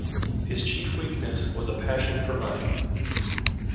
His chief weakness was a passion for money.